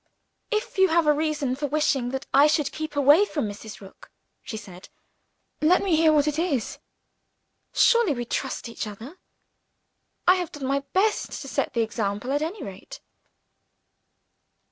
"If you have a reason for wishing that I should keep away from Mrs. Rook," she said, "let me hear what it is. Surely we trust each other? I have done my best to set the example, at any rate."